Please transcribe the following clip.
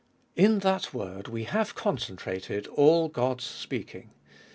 In that word we have concentrated all God's speaking.